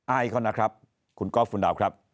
อายเขานะครับคุณก๊อฟคุณดาวครับ